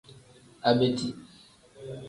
Abeti.